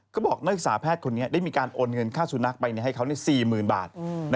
ก็บอกนักศึกษาแพทย์คนนี้ได้มีการโอนเงินค่าสุนัขไปให้เขา๔๐๐๐บาท